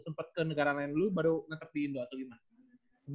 sempat ke negara lain dulu baru nekat di indo atau gimana